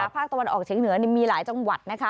ภาคตะวันออกเฉียงเหนือมีหลายจังหวัดนะคะ